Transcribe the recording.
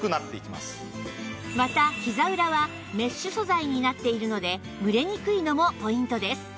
またひざ裏はメッシュ素材になっているので蒸れにくいのもポイントです